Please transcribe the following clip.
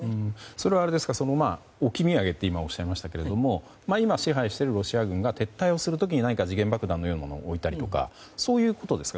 それは置き土産と今おっしゃいましたけども今、支配しているロシア軍が撤退する時に時限爆弾のようなものを置いたりとかそういうことですか？